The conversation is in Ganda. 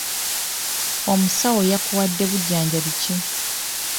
Omusawo yakuwadde bujjanjabi ki?